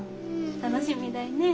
楽しみだいねぇ。